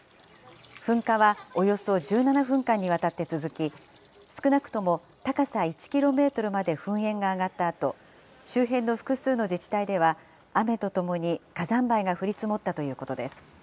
噴火はおよそ１７分間にわたって続き、少なくとも高さ１キロメートルまで噴煙が上がったあと、周辺の複数の自治体では、雨とともに火山灰が降り積もったということです。